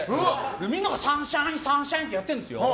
みんながサンシャイン！ってやってるんですよ。